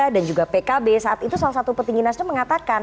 dan juga pkb saat itu salah satu petinggi nasdem mengatakan